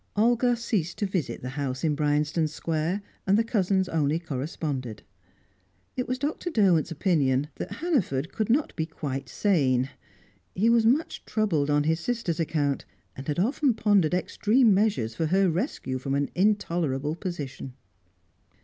Olga ceased to visit the house in Bryanston Square, and the cousins only corresponded. It was Dr. Derwent's opinion that Hannaford could not be quite sane; he was much troubled on his sister's account, and had often pondered extreme measures for her rescue from an intolerable position.